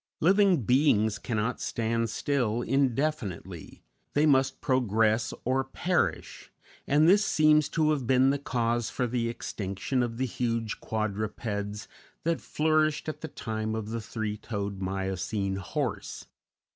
Living beings cannot stand still indefinitely; they must progress or perish. And this seems to have been the cause for the extinction of the huge quadrupeds that flourished at the time of the three toed Miocene horse.